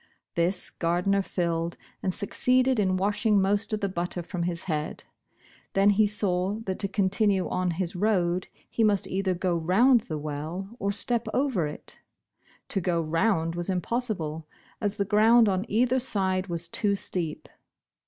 This Gardner filled, and succeeded in washing most of the butter from his head. Then he saw that to continue on his road, he must either go round the well, or step over it. To go round was impossible, as the ground on either side was too steep.